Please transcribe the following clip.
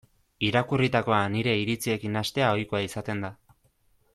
Irakurritakoa nire iritziekin nahastea ohikoa izaten da.